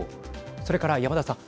それから山田さん。